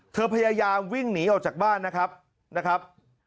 เธอพยายามวิ่งหนีออกจากบ้านนะครับ